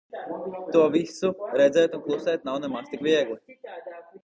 To visu redzēt un klusēt nav nemaz tik viegli.